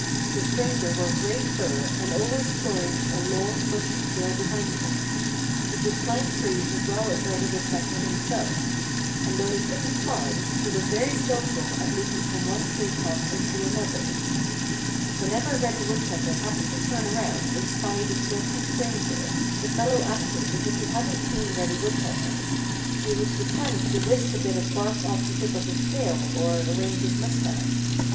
The stranger wore gray fur and always flourished a long, bushy tail behind him. He could climb trees as well as Reddy Woodpecker himself. And though he couldn't fly, he was very skillful at leaping from one tree top into another. Whenever Reddy Woodpecker happened to turn around and spy this lurking stranger the fellow acted as if he hadn't seen Reddy Woodpecker. He would pretend to whisk a bit of bark off the tip of his tail, or arrange his mustache.